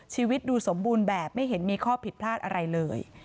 ชีวิตดูสมบูรณ์แบบไม่เห็นมีข้อผิดพลาดอะไรเลย